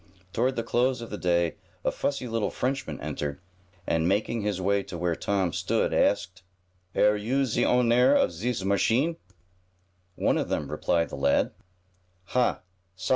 Toward the close of the day a fussy little Frenchman entered, and, making his way to where Tom stood, asked: "Air you ze ownair of zis machine?" "One of them," replied the lad. "Ha!